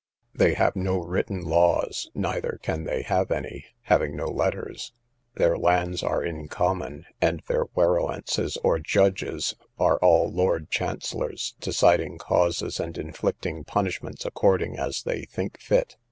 They have no written laws, neither can they have any, having no letters. Their lands are in common, and their Werowances, or judges, are all lord chancellors, deciding causes and inflicting punishments according as they think fit.